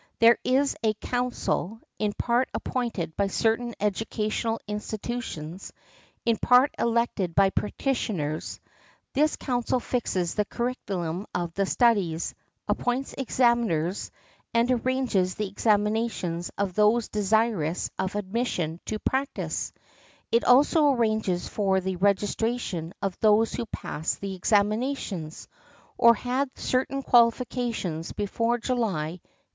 There is a "Council," in part appointed by certain educational institutions, in part elected by practitioners. This council fixes the curriculum of studies, appoints examiners, and arranges the examinations of those desirous of admission to practise; it also arranges for the registration of those who pass the examinations, or had certain qualifications before July, 1870.